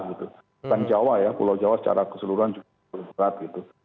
bukan jawa ya pulau jawa secara keseluruhan juga berat gitu